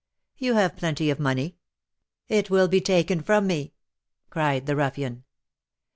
"You have plenty of money." "It will be taken from me!" cried the ruffian.